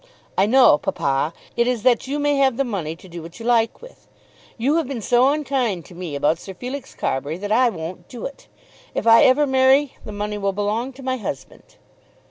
"I know, papa. It is that you may have the money to do what you like with. You have been so unkind to me about Sir Felix Carbury that I won't do it. If I ever marry the money will belong to my husband!"